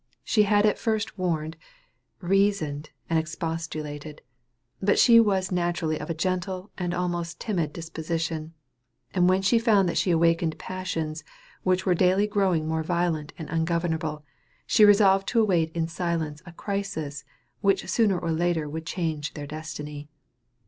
She had at first warned, reasoned, and expostulated; but she was naturally of a gentle and almost timid disposition; and when she found that she awakened passions which were daily growing more violent and ungovernable, she resolved to await in silence a crisis which sooner or later would change their destiny.